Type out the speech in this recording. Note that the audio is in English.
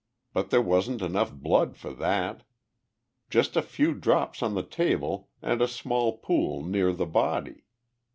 But there wasn't enough blood for that. Just a few drops on the table and a small pool near the body.